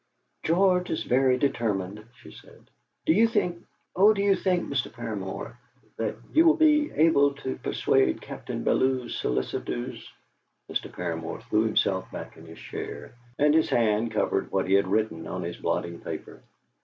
"George is very determined," she said. "Do you think oh, do you think, Mr. Paramor, that you will be able to persuade Captain Bellew's solicitors " Mr. Paramor threw himself back in his chair, and his hand covered what he had written on his blotting paper.